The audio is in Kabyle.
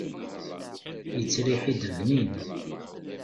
Yettriḥ-d bnin.